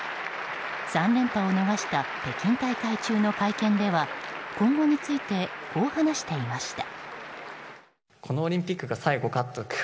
３連覇を逃した北京大会中の会見では今後についてこう話していました。